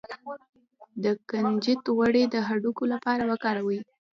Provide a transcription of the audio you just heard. د کنجد غوړي د هډوکو لپاره وکاروئ